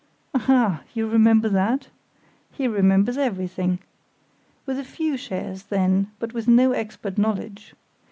"Ah! you remember that? (He remembers everything!) With a few shares, then; but with no expert knowledge.